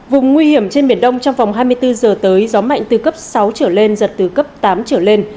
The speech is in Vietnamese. vùng nguy hiểm trên biển đông trong vòng hai mươi bốn giờ tới gió mạnh từ cấp sáu trở lên giật từ cấp tám trở lên